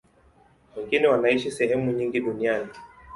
Wengine wanaishi sehemu nyingi duniani.